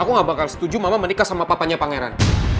aku gak bakal setuju mama menikah sama papanya pangeran